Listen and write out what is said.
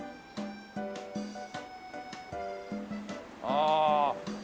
ああ。